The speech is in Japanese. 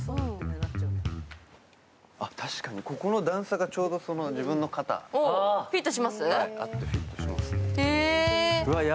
確かに、ここの段差がちょうど自分の肩に合ってる気がします。